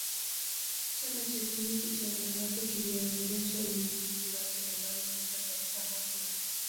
Chama cha Tenisi cha Wanawake kiliorodhesha ulimwengu wake Nambari moja katika hafla